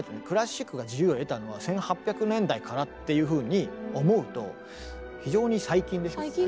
クラシックが自由を得たのは１８００年代からっていうふうに思うと非常に最近でしょ。